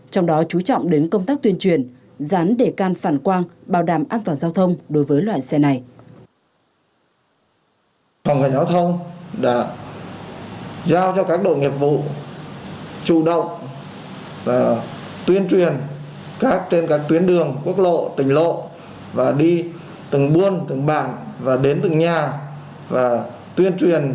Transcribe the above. trong đó chú trọng đến công tác tuyên truyền dán đề can phản quang bảo đảm an toàn giao thông đối với loại xe này